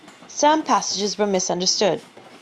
Some passages were misunderstood.